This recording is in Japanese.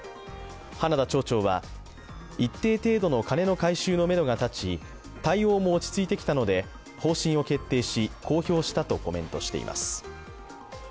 花田町長は、一定程度の金の回収のめどが立ち、対応も落ち着いてきたので方針を決定し公表したとコメントしています。